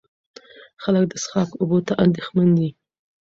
خلک د څښاک اوبو ته اندېښمن دي.